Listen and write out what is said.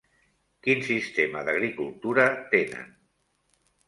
Quin sistema d'agricultura tenen?